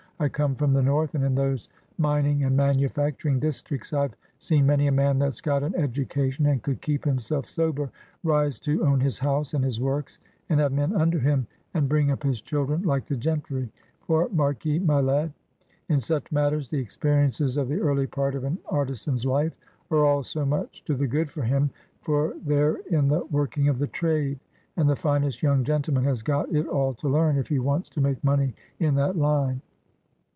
I come from the north, and in those mining and manufacturing districts I've seen many a man that's got an education, and could keep himself sober, rise to own his house and his works, and have men under him, and bring up his children like the gentry. For mark ye, my lad. In such matters the experiences of the early part of an artisan's life are all so much to the good for him, for they're in the working of the trade, and the finest young gentleman has got it all to learn, if he wants to make money in that line.